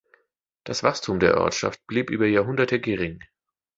Das Wachstum der Ortschaft blieb über Jahrhunderte gering.